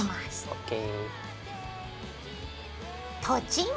ＯＫ！